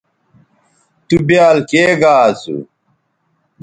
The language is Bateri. تُو بیال کے گا اسُو